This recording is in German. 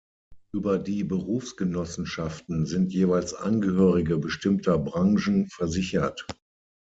Über die Berufsgenossenschaften sind jeweils Angehörige bestimmter Branchen versichert.